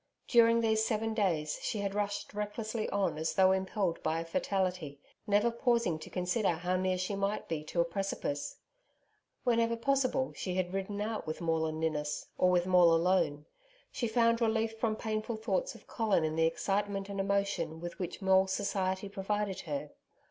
During these seven days she had rushed recklessly on as though impelled by a fatality, never pausing to consider how near she might be to a precipice. Whenever possible, she had ridden out with Maule and Ninnis, or with Maule alone. She found relief from painful thoughts of Colin in the excitement and emotion with which Maule's society provided her.